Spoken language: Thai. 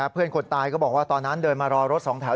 เพื่อนคนตายก็บอกว่าตอนนั้นเดินมารอรถสองแถว